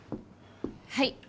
はい。